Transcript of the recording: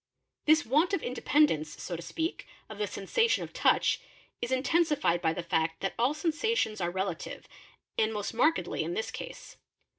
pee This want of independance, so to speak, of the sensation of touch, is 'intensified by the fact that all sensations are relative, and most markedly 'in this case.